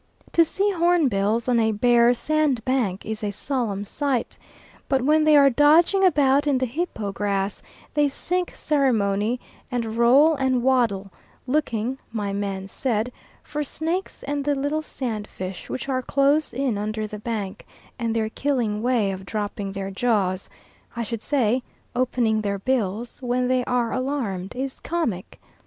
To see hornbills on a bare sandbank is a solemn sight, but when they are dodging about in the hippo grass they sink ceremony, and roll and waddle, looking my man said for snakes and the little sand fish, which are close in under the bank; and their killing way of dropping their jaws I should say opening their bills when they are alarmed is comic.